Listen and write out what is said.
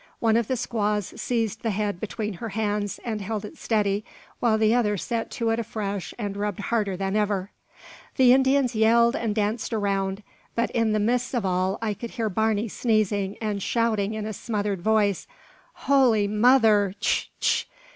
One of the squaws seized the head between her hands, and held it steady, while the other set to it afresh and rubbed harder than ever. The Indians yelled and danced around; but in the midst of all I could hear Barney sneezing, and shouting in a smothered voice "Holy Mother! htch tch!